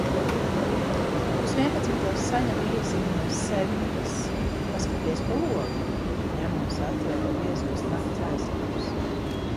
Pusvienpadsmitos saņemu īsziņu no Sendas – paskaties pa logu! Ņemos atvilkt biezos nakts aizkarus.